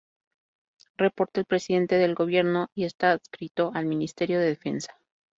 Reporta al Presidente del Gobierno y está adscrito al Ministerio de Defensa.